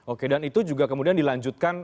oke dan itu juga kemudian dilanjutkan